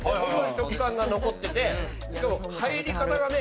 食感が残っててしかも入り方がね